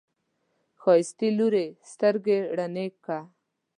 ښايستې لورې، سترګې رڼې که!